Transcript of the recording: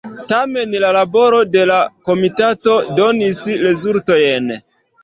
Tamen la laboro de la komitato donis rezultojn.